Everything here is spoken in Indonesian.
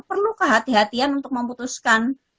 perlu kehati hatian untuk memutuskan